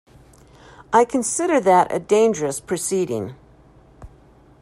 I consider that a dangerous proceeding.